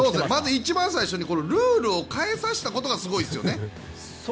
一番最初にルールを変えさせたことがすごいですね。